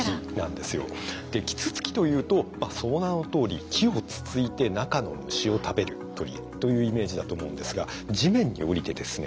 キツツキというとその名のとおり木をつついて中の虫を食べる鳥というイメージだと思うんですが地面に降りてですね